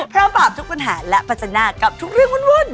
พร้อมบาปทุกปัญหาและปัจจันทร์กับทุกเรื่องวุ่น